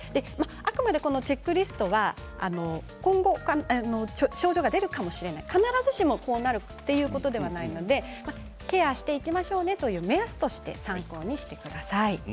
あくまで、このチェックリストは症状が出るかもしれない必ずしもこうなるということではないのでケアしていきましょうねという目安として参考にしてください。